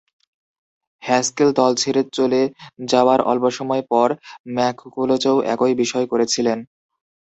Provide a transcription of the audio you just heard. Haskell দল ছেড়ে চলে যাওয়ার অল্পসময় পর, ম্যাককুলচও একই বিষয় করেছিলেন।